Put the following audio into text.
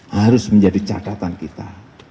harus menjadi cadatan kita